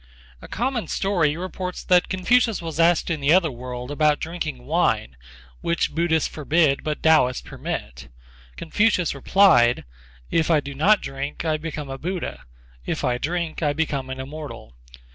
A common story reports that Confucius was asked in the other world about drinking wine, which Buddhists forbid but Taoists permit. Confucius replied: "If I do not drink I become a Buddha. If I drink I become an Immortal.